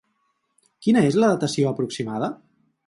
Quina és la datació aproximada?